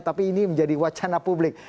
tapi ini menjadi wacana publik